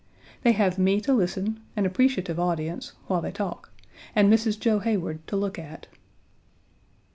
They have me to listen, an appreciative audience, while they talk, and Mrs. Joe Heyward to look at.